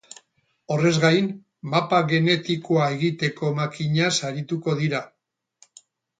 Horrez gain, mapa genetikoa egiteko makinaz arituko dira.